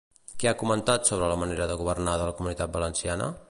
Què ha comentat sobre la manera de governar de la Comunitat Valenciana?